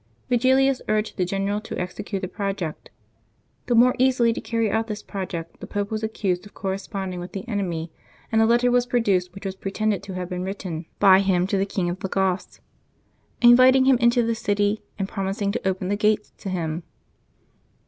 Vigilius urged the general to execute the proj ect. The more easily to carry out this project the Pope was accused of corresponding with the enemy and a letter was produced which was pretended to have been written 224 LIVES OF THE SAINTS [Junb 21 by him to the king of the Goths, inviting him into the city, and promising to open the gates to him.